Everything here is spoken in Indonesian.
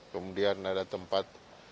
kemudian ada tempat